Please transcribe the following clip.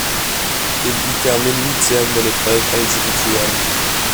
Il y termine huitième de l'épreuve individuelle.